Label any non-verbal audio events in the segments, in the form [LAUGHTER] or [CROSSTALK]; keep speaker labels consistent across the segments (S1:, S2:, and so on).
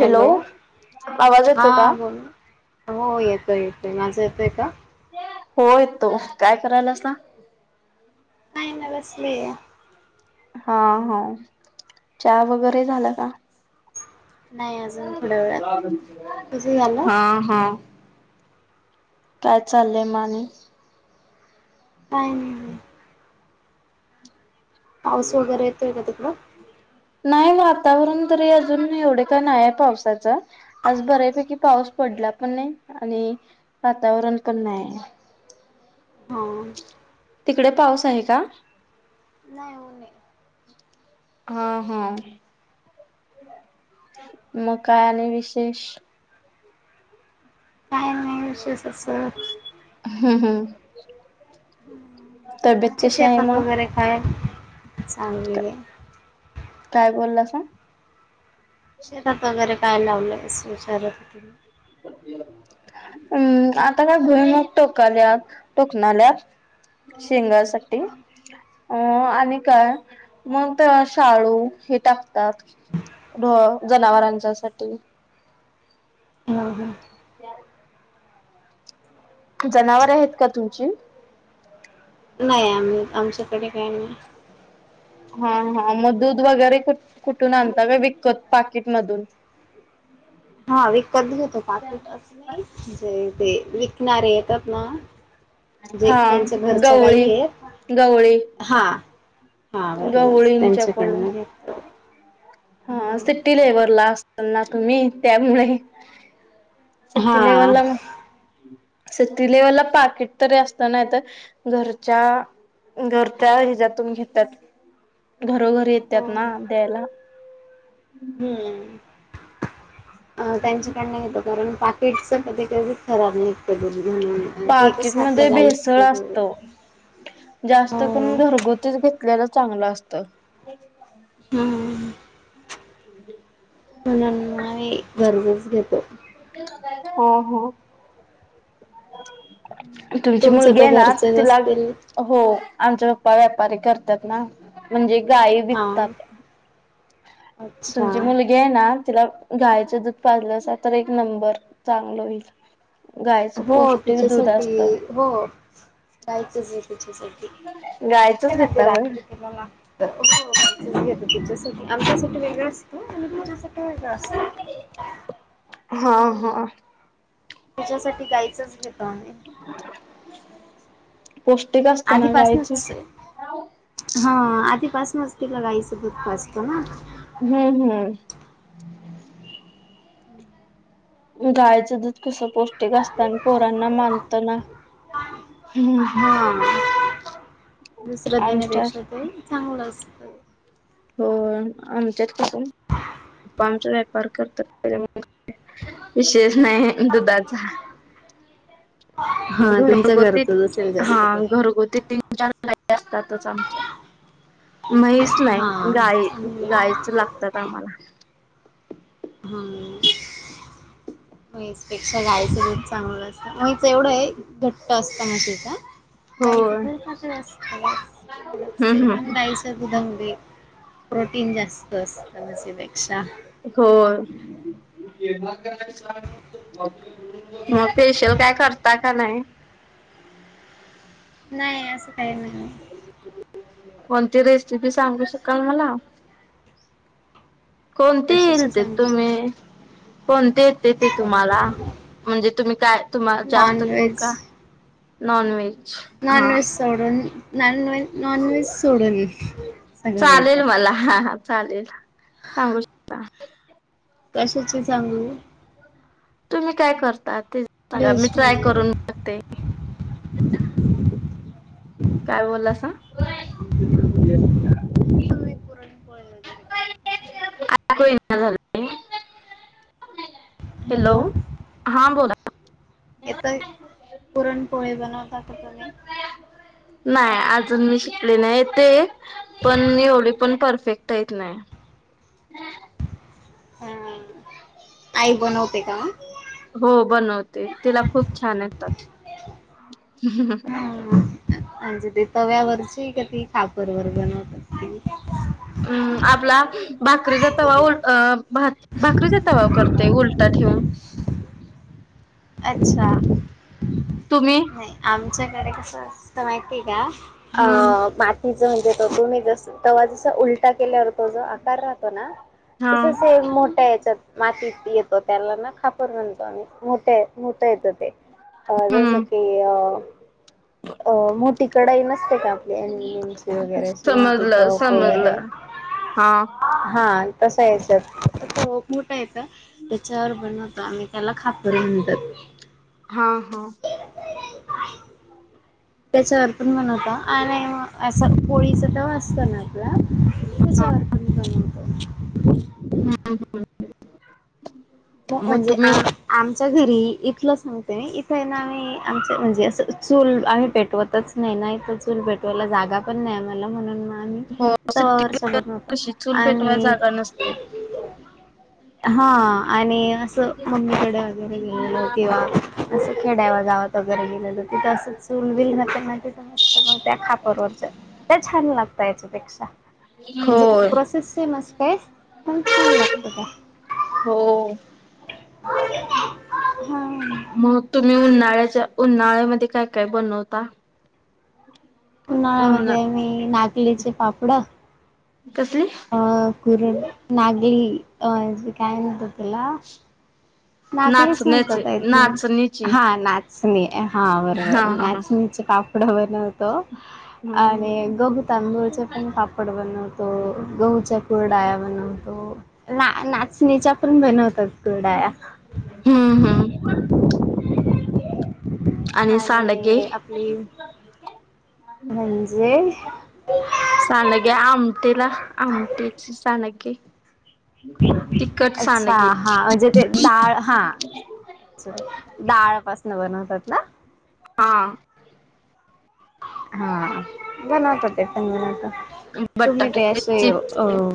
S1: Hello,
S2: आवाज
S1: हा
S2: येतो का?
S1: बोल हो येतोय येतोय माझा येतोय का?
S2: हो येतो काय करायलासा
S1: काही नाय बसलेय.
S2: हा हा चहा वगैरे झालं का?
S1: नाही अजून थोड्या वेळात तुझं झालं
S2: हा हा काय चाललंय म आणि
S1: काय नाय हाय पाऊस वगैरे येतोय का तिकडं?
S2: नाही वातावरण तरी अजून एवढे का नाय ये पावसाचं. आज बऱ्यापैकी पाऊस पड ला पण नाय आणि वातावरण पण नाय.
S1: हा
S2: तिकडे पाऊस आहे का?
S1: नाय हो नाय.
S2: हा हा मग काय आणि विशेष?
S1: हं विशेष असं
S2: हम्म हम्म तब्येत
S1: तुमच्या
S2: कशी आहे मग
S1: सांगलीला ये
S2: काय बोललासा
S1: शेतात वगैरे काय लावलं अस विचारत होती मी
S2: हम् आता काय भुईमूग टोकाल्या टोकणाल्यात शेंगासाठी अं आणि काय मग शाळू हे टाकतात ढ जनावरांच्यासाठी
S1: हम्म हम्म
S2: [INAUDIBLE] जनावर आहेत का तुमची
S1: नाही आम्ही आमच्याकडे काय नाही
S2: हा हा मग दूध वगैरे कुठून आणता का विकत पाकिटमधून
S1: हा विकत घेतो पाकीट असं नाही जे ते विकणारे येतात ना जे
S2: हा
S1: त्यांच्या घरच्या
S2: गवळी
S1: गाई
S2: गवळी
S1: आहेत हा हा बरोबर
S2: गवळींच्याकडून
S1: त्यांच्याकडनं
S2: हा सिटी लेवलला असेल ना तुम्ही त्यामुळे
S1: हा
S2: सिटीलेव्हल ला मग सिटी लेवला पाकिट तरी असतना तर घरच्या घर त्या हिजातून घेतात घरोघरी येतात
S1: हो
S2: ना द्यायला
S1: हम्म अ त्यांच्याकडन घेतो कारण पाकिटच कधी कधी खराब नाही दूध घेऊन हे
S2: पाकिट
S1: कस आपल्या
S2: मध्ये
S1: गाई
S2: भेसळ
S1: असल्यामुळं
S2: असत जास्त करून घरगुतीच घेतलेला चांगलं असत
S1: हम्म
S2: [INAUDIBLE]
S1: नाहीही घरचच घेतो
S2: हो हो तुमची
S1: तुमचं
S2: मुलगी
S1: तर
S2: आहे ना
S1: घरचेच
S2: तिला
S1: असतील
S2: हो आमच व्यापारी करतात ना म्हणजे गाई
S1: हा
S2: विकतात
S1: अच्छा
S2: तुमची मुलगी आहेणा तिला गाईचं दूध पाजलं अस तर एक नंबर चांगला होईल गायचं
S1: हो
S2: पौष्टिक दूध
S1: तिच्यासाठी
S2: असत
S1: हो गाईचं दूध तिच्यासाठी
S2: गायचंच
S1: मध्य
S2: घेता व
S1: रात्री ते म येत हो दूध घेतो तिच्यासाठी आमच्यासाठी वेगळं असतं आणिुम
S2: हा हा
S1: तिच्यासाठी गाईचं च घेतो आम्ही
S2: पौष्टिक असत ना गाईचं
S1: आधीपासूनच हा आधीपासूनच तिला गाईचं दूध पाजतो ना
S2: हम्म हम्म गाईचं दूध कस पौष्टिक असतना पोरांना मानत ना हम
S1: हा दुसरं
S2: आमच्या
S1: देण्यापेक्षा ते चांगलं असतं
S2: हो आमच्यात किसून पपा आमचा व्यापार करतात त्या विशेष नाही दुधाचा
S1: हा तुमचं
S2: घरगुती
S1: घरचंच असेल
S2: हा
S1: जास्त करून
S2: घरगुती तीन चार असतातोच आमच्या म्हैस नाही
S1: हा
S2: गाई
S1: चांगलं
S2: गाईचं लागतात आम्हाला
S1: हम्म
S2: ह.
S1: मचपेक्षा गायचं रूप चांगलं असत म्हच एवढं आहे घट्ट असतं नासेच. दाईचं
S2: होय.
S1: पण मात्र असत एवढंच आहे
S2: हम्म
S1: पण
S2: हम्म
S1: दाईच उुधंगली. प्रोटीन जास्त असतं म्हसीपेक्षा
S2: होर. मग फेशियल काय करता का नाही. [INAUDIBLE]
S1: नाही असं काही नाही.
S2: कोणती रेसिपी सांगू शकाल मला कोणती येईल
S1: कशाची
S2: ते
S1: सांगू
S2: तुम्ही कोणती? तेेते तुम्हाला म्हणजे तुम्ही काय तुम्हाला जास्त कर का? Non veg.
S1: नॉन व्हेज सोडून नन नॉन व्हेज सोडून येतं
S2: चालेल मला हा हा चालेल सांगू शकता.
S1: कशाच सांगू.
S2: तुम्ही काय करता ते स मी ट्राय
S1: व्हेजमध्ये
S2: करून बघते. काय बोलला.
S1: तुम्ही पुरणपोळी वगैरे बनवता का
S2: आताना झालं. हॅलो हा बोला.
S1: येत पुरणपोळी बनवता का तुम्ही
S2: नाही अजून मी शिकले नाही येते पण एवढी पण परफेक्ट ता येत नाही.
S1: हम् आई बनवते का?
S2: हो बनवते तिला खूप छान येतात.
S1: म्हजे ते तव्यावरची का ती खापरवरर बनवतात ती
S2: हम्म आपला. भाकरीचा तवा भाकरीचा तवाव करते उलटा ठेऊन. [INAUDIBLE]
S1: अच्छा.
S2: तुम्ही
S1: नाही आमच्याकडे कस असतं माहितीय का
S2: हम्म
S1: अ माती म्हणजे तुम्ही जस त जस उलटा केल्यावर तो जो आकार राहतो ना
S2: हा
S1: तस मोठ्या याच्यात मातीत. येतो त्याला ना खापर म्हणतो आणि मोठे मोठं येतं ते अ जसं
S2: हम्म
S1: की अ अ मो त कडाई न का आपले लमचे वगैरे
S2: समजलं
S1: सूनपिटक वगैरे
S2: समजलं हा
S1: हा. तसा याच्यात त मोठा येत त्याच्यावर बनवतो आम्ही चला खपरड
S2: हा हा
S1: त्याच्यावर प म्हणवत आणि असं पोळीच तर वाचत ना आपलं. तच्याारतूनत
S2: हम हम.
S1: मग म्हणजे आ
S2: तुम्ही
S1: आमच्या घरी इथलंच. ते इथं ना आम्ही आमच म्हणजे असं चूल आम्ही पेटवतच नाही ना इथ चूल भेटवायला. जागा पण नाहीला म्हणून
S2: हो
S1: तवा वष
S2: सिट्टीवर
S1: बर नव्हतो
S2: कशी चूल पेटवाय
S1: आणि
S2: जागा नसते
S1: हा. आणि असं मम्मीकडे वगैरे गेलेलं हो किंवा असं खेडवर गावात वगैरे गेलं तर तिथं असं चूल बल हो मस्त मग त्या खापरवरच त्या छान लागता याच्यापेक्षा म्हणजे
S2: होय
S1: प्रोसेस स मस्त आहे प छान लागत का?
S2: हो
S1: हा
S2: मग तुम्ही उन्हाळ्या उन्हाळ्यामध्ये काय काय बनवता? उन्हा
S1: उन्हाळ्यामध्ये मी नाकलीचे पापड
S2: कसली?
S1: अ कुरड, नागली अ काय म्हत्यात तेला. नाकलीच
S2: नाचण्याचे
S1: म्हणतात आय थिंक.
S2: नाचणीची
S1: हा ना चनी हा
S2: हा
S1: बरोबर.
S2: हा हा
S1: नाचनीचे पापड बनवतो
S2: हम्म
S1: आणि गहू, तांदूळचे पण पापड बनवतो. गहूच्या कुरडाया बनवतो. ना नाचणीच्या पण बनवतात कुरडाया.
S2: हम्म हम्म. आणि सांडगे?
S1: म्हणजे
S2: सांडगे आमटेला. आमटीची सांडगे? तिखट
S1: अच्छा
S2: सांडगे
S1: हा, म्हणजे ते डाळ हा. अ डाळपासन बनवतात ना?
S2: हा.
S1: हा जनकते पण तुम्ही ते
S2: बटाट्याचे
S1: असे अ
S2: चिप्स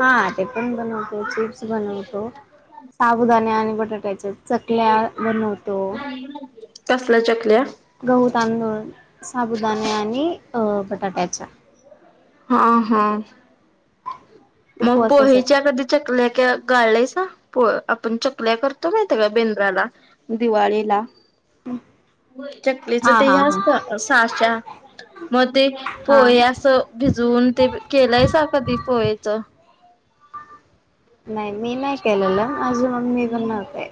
S1: हा ते पण बनवतो, चिप्स बनवतो. साबुदाने आणि बटाट्याच्या चकल्या बनवतो.
S2: कसल्या चकल्या?
S1: गहू, तांदूळ, साबुदाणे आणि अ बटाट्याच्या.
S2: हा हा. मग
S1: उपवासासाठी
S2: पोहेच्या कधी चकल्या क्या गाळल्यास. आपण चकल्या करतो माहितय का बेंद्राला, दिवाळीला चकलीच
S1: हा
S2: ते हे
S1: हा हा
S2: असत, साशा म ते
S1: हा
S2: पोहे अस भी भिजवून ते केलायसा कधी पोहे?
S1: नाही मी नाही केलेलं. माझी मम्मी बनवते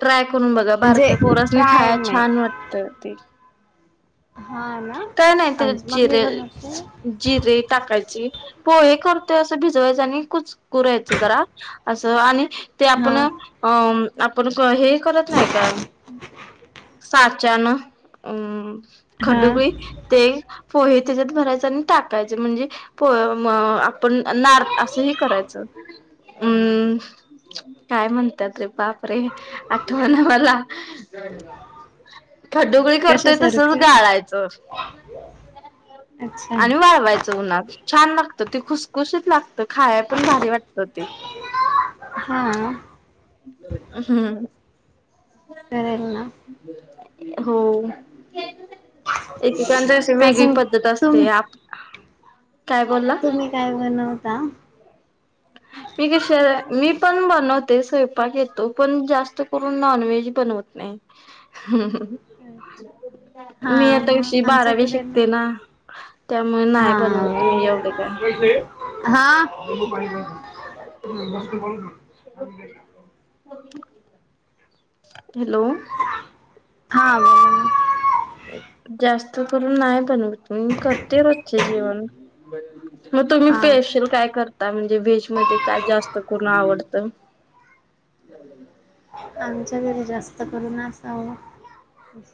S2: ट्राय करून बघा.
S1: म्हणजे
S2: बारक्या पोरसनी
S1: ट्राय
S2: खायाय छान
S1: नाही
S2: वाटत ते.
S1: हा ना
S2: काय नाही ते
S1: आमची मम्मी
S2: जिरे
S1: बनवते
S2: जिरे टाकायची. पोहे करतोय असं भिजवायचं आणि कुच कुरायचं जरा असं आणि ते
S1: हा
S2: आपण अम आपण हे करत नाही का साचानं अम
S1: हा
S2: खडुगळी ते. पोहे त्याच्यात भरायचे आणि टाकायचे म्हणजे पो म अ पण नार असं ह करायचं अम् काय म्हणत्यात बापरे! आठवना मला. खडूगळी करतोय तसच
S1: कशासारखं
S2: गाळाय
S1: अच्छा
S2: आणि वाळवायचं उन्हात. छान लाग लागत ते खुशखुशीत लागत. खायाय पण भारी वाटत ते.
S1: हा
S2: हम्म.
S1: करेन ना.
S2: हो. एकेकांचे अशी वेगळी
S1: अजून
S2: पद्धत असते.
S1: तुम्ही
S2: आप काय बोलला
S1: तुम्ही काय बनवता?
S2: [INAUDIBLE] मी कश मी पण बनवते स्वयंपाक येतो, पण जास्त करून नॉनव्हेज बनवत नाही. हम्म हम्म.
S1: अच्छा.
S2: मी आता उवशी बारावी शिकते ना. त्यामुळे नाही
S1: हा
S2: बनवत मी एवढे काय.
S1: हा? [UNINTELLIGIBLE]
S2: हॅलो.
S1: का आवडल नाही.
S2: जास्त करून नाही बनवत मी करते रोजचे जेवन. मग तुम्ही
S1: ना हा
S2: पेशल काय करता म्हणजे व्हेजमध्ये काय जास्त करून आवडतं. [INAUDIBLE]
S1: आमच्या घरी जास्त करून असावं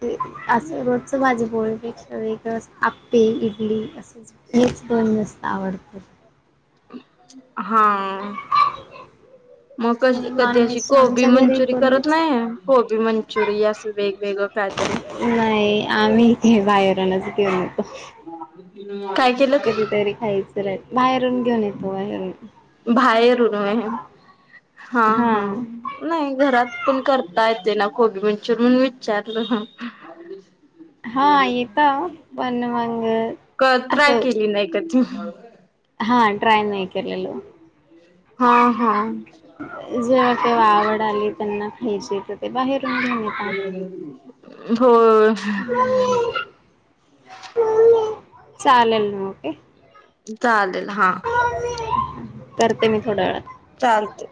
S1: ते असं रोजचं भाजी पोळी. सगळी कडे आप्पे इडली असेच हेच दोन जास्त आवडते.
S2: हा आ. मग
S1: आणि
S2: क कधी अशी
S1: नॉनव्हेज
S2: कोबी
S1: आमच्या घरी
S2: मंचुरी करत
S1: कोणीच
S2: नाहीय. कोबी मंचचुरिया अस वेगवेगळं. कायतरी
S1: नाही आम्ही ते बाहेर येऊन घेऊन येतो.
S2: काय केलं का
S1: कधीतरी खायचं रे बाहेरुन घेऊन येतो बाहेरून.
S2: बाहेरून म हा हा नाही घरात पण करता येते ना कोबी चिरून म्हण विचारलं.
S1: हा येतं पण मग
S2: कर ट्राय
S1: असं
S2: केली नाही ती. [UNINTELLIGIBLE]
S1: हा ट्राय नाय केलेलं.
S2: हा हा.
S1: जेव्हा केव्हा आवड आली त्यांना खायची तर ते बाहेरून घेऊन येतात.
S2: हो
S1: हम मम्मी मम्मी चालेल म ओके.
S2: चालेल हा
S1: करते मी थोड्या वेळात.
S2: चालतय.